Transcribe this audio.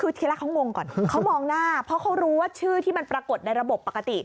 คือทีแรกเขางงก่อนเขามองหน้าเพราะเขารู้ว่าชื่อที่มันปรากฏในระบบปกติ